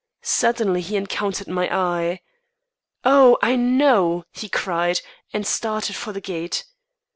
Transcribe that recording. Suddenly he encountered my eye. "Oh I know!" he cried, and started for the gate.